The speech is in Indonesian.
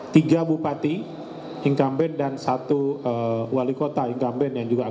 tiga bupati incumbent dan satu wali kota incumbent yang juga akan